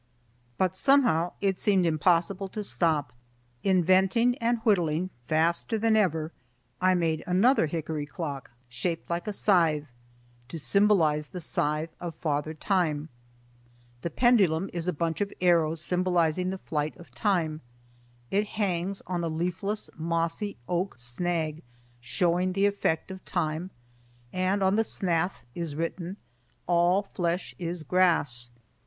But somehow it seemed impossible to stop. Inventing and whittling faster than ever, I made another hickory clock, shaped like a scythe to symbolize the scythe of Father Time. The pendulum is a bunch of arrows symbolizing the flight of time. It hangs on a leafless mossy oak snag showing the effect of time, and on the snath is written, "All flesh is grass."